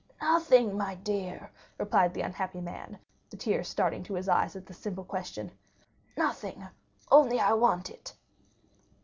"Nothing, my dear," replied the unhappy man, the tears starting to his eyes at this simple question,—"nothing, only I want it."